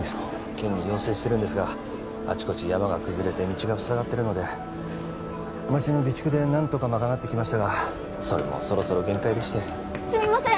県に要請してるんですがあちこち山が崩れて道がふさがってるので町の備蓄で何とかまかなってきましたがそれもそろそろ限界でしてすみません！